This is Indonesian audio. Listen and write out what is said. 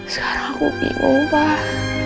sekarang aku bingung pak